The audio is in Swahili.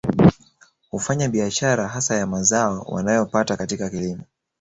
Hufanya biashara hasa ya mazao wanayo pata katika kilimo